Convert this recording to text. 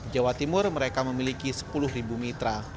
jawa timur mereka memiliki sepuluh mitra